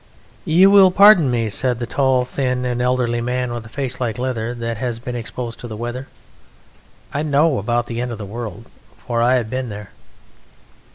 "You will pardon me," said the tall, thin, and elderly man with a face like leather that has been exposed to the weather, "I know about the End of the World, for I have been there."